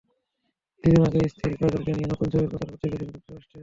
কিছুদিন আগে স্ত্রী কাজলকে নিয়ে নতুন ছবির প্রচার করতে গিয়েছিলেন যুক্তরাষ্ট্রে।